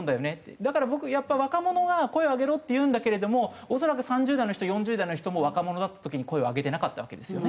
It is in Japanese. だから僕やっぱり若者が声を上げろって言うんだけれども恐らく３０代の人４０代の人も若者だった時に声を上げてなかったわけですよね。